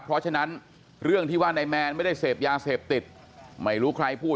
เพราะฉะนั้นเรื่องที่ว่านายแมนไม่ได้เสพยาเสพติดไม่รู้ใครพูด